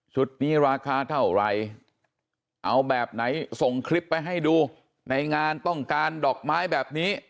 นี้ราคาเท่าไหร่เอาแบบไหนส่งคลิปไปให้ดูในงานต้องการดอกไม้แบบนี้